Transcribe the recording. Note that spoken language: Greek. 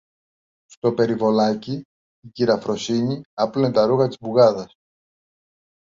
Στο περιβολάκι η κυρα-Φρόνηση άπλωνε τα ρούχα της μπουγάδας